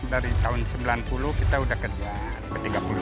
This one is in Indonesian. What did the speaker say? dari tahun sembilan puluh kita sudah kerja